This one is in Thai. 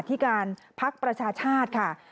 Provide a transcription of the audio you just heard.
ที่การพักประชาชาติค่ะ